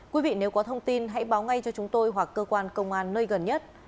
quý vị nếu có thông tin hãy báo ngay cho chúng tôi hoặc cơ quan công an nơi gần nhất